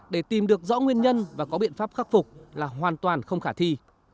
để tìm được rõ nguyên nhân và có biện pháp khắc phục là hoàn toàn không khả thi